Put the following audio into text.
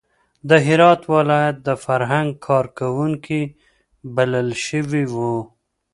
د هرات ولایت د فرهنګ کار کوونکي بلل شوي وو.